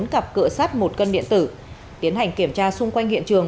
một mươi bốn cặp cỡ sắt một cân điện tử tiến hành kiểm tra xung quanh hiện trường